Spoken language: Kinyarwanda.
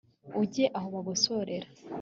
ujye aho bagosorera